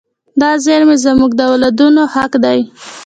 دا زیرمې زموږ د اولادونو حق دی.